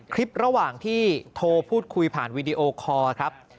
คลิประหว่างที่โทรพูดคุยผ่านวีดีโอคอร์ครับ